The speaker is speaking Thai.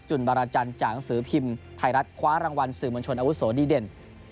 จุลบาราจรจางสือพิมพ์ไทยรัฐคว้ารางวัลสื่อมวลชนอาวุศโสดีเด่น